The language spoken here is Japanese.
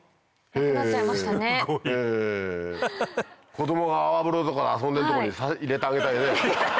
子供が泡風呂とか遊んでるとこに入れてあげたいね。